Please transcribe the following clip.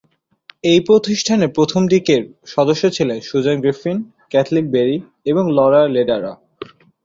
এই প্রতিষ্ঠানের প্রথম দিককার সদস্য ছিলেন সুজান গ্রিফিন, ক্যাথলিন বেরি এবং লরা লেডারার।